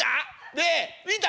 ねえ見た？